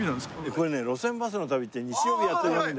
これね『路線バスの旅』っていう日曜日にやってる番組で。